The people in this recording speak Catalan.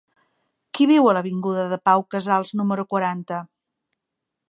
Qui viu a l'avinguda de Pau Casals número quaranta?